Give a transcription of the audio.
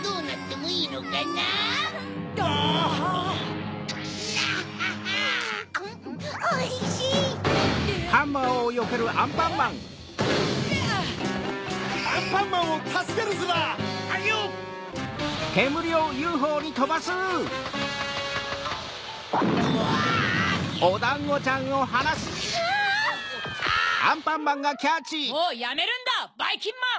もうやめるんだばいきんまん！